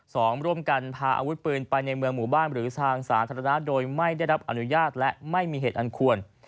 สองร่วมกันพาอาวุธปืนไปในเมืองหมู่บ้านหรือทางสาธารณะโดยไม่ได้รับอนุญาตและไม่มีเหตุอันควร